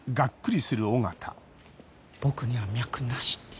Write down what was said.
僕には脈なし。